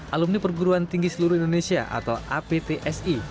alumni perguruan tinggi seluruh indonesia atau aptsi